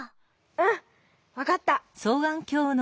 うんわかった！